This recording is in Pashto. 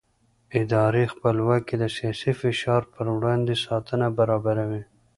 اداري خپلواکي د سیاسي فشار پر وړاندې ساتنه برابروي